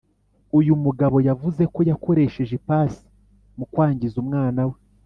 Uyu mugabo yavuze ko yakoresheje ipasi mu kwangiza umwana we.